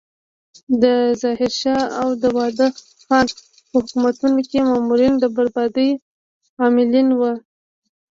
د ظاهر شاه او داود خان په حکومتونو کې مامورین د بربادۍ عاملین وو.